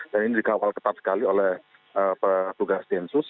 dan ini dikawal ketat sekali oleh petugas densus